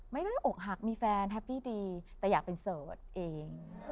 อกหักมีแฟนแฮปปี้ดีแต่อยากเป็นโสดเอง